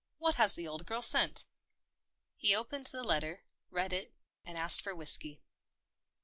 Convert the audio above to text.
What has the old girl sent ?" He opened the letter, read it, and asked for whiskey.